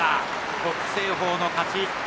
北青鵬の勝ち。